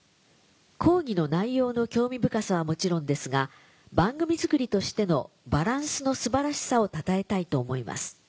「講義の内容の興味深さはもちろんですが番組作りとしてのバランスの素晴らしさをたたえたいと思います。